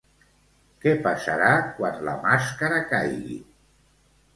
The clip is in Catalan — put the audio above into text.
Què passarà quan la màscara caigui?